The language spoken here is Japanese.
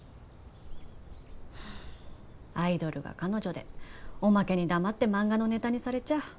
アイドルが彼女でおまけに黙って漫画のネタにされちゃ